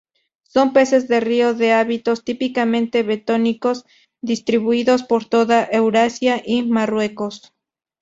Son peces de río de hábitos típicamente bentónicos distribuidos por toda Eurasia y Marruecos.